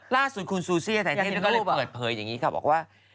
ล่าสุดคุณซูเซียไทเทนก็เลยเปิดเผยอย่างนี้ค่ะบอกว่า